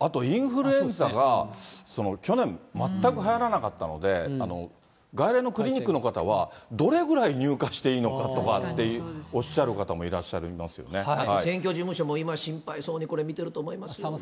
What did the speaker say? あと、インフルエンザが去年、全くはやらなかったので、外来のクリニックの方は、どれぐらい入荷していいのかとかっておっしゃる方もいらっしゃい選挙事務所も今、心配そうにそうですね。